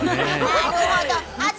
なるほど。